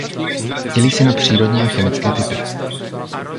Dělí se na přírodní a chemické typy.